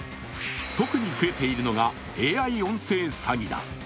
特に増えているのがＡＩ音声詐欺だ。